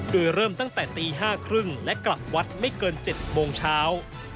โดยเริ่มตั้งแต่ตี๕๓๐และกลับวัดไม่เกิน๗โมงเช้า